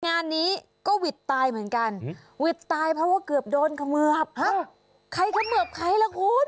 งานนี้ก็วิดตายเหมือนกัน